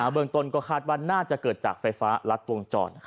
เมืองต้นก็คาดว่าน่าจะเกิดจากไฟฟ้ารัดวงจร